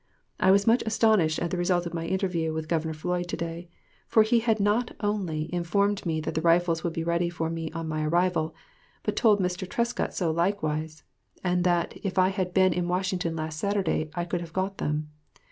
I was much astonished at the result of my interview with Governor Floyd to day, for he had not only informed me that the rifles would be ready for me on my arrival, but told Mr. Trescott so likewise, and that if I had been in Washington last Saturday I could have got them....